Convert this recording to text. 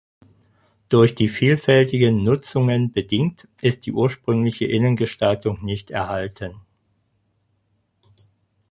Durch die vielfältigen Nutzungen bedingt ist die ursprüngliche Innengestaltung nicht erhalten.